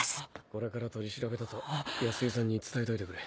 これから取り調べだと安井さんに伝えといてくれ。